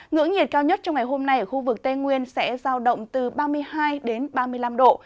ngưỡng nhiệt cao nhất trong ngày hôm nay ở khu vực tây nguyên sẽ giao động từ ba mươi hai ba mươi năm độ